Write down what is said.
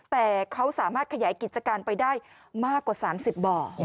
แต่เขาสามารถขยายกิจการไปได้มากกว่า๓๐บ่อ